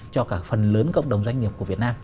cho cả phần lớn cộng đồng doanh nghiệp của việt nam